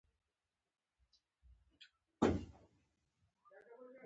د میرویس نیکه مقبره په کندهار کې ده